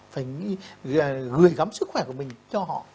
phải gửi gắm sức khỏe của mình cho họ